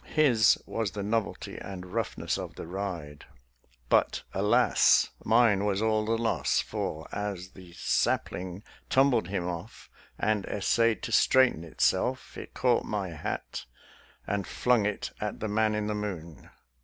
His was the novelty and roughness of the ride, but, alas! mine was all the loss; for, as the sapling tumbled him off, and essayed to straighten itself, it caught my hat and flung it at the man in the moon.